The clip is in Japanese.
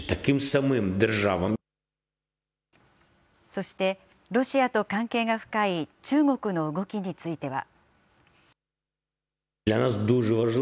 そして、ロシアと関係が深い中国の動きについては。